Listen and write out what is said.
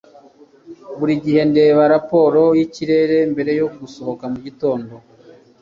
buri gihe ndeba raporo yikirere mbere yo gusohoka mugitondo